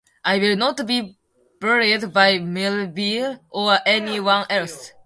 I will not be bullied by Melville or any one else.